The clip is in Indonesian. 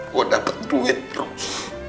gue dapat duit terus